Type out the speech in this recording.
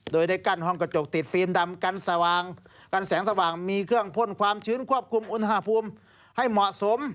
โดยได้กั้นห้องกระจกติดฟิล์มดำกันสว่างกันแสงสว่างมีเครื่องพ่นความชื้นควบคุมอุณหภูมิให้เหมาะสม